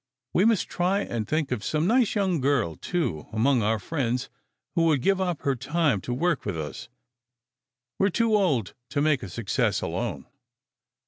"We must try and think of some nice young girl, too, among our friends, who would give up her time to work with us. We re too old to make a success alone."